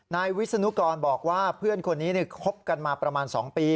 นายวิศนุกรบอกว่าเพื่อนคนนี้คบกันมาประมาณ๒ปี